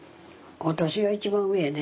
私が一番上やで。